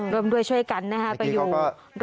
ร่วมด้วยช่วยกันนะฮะไปอยู่ร่วมกันนาน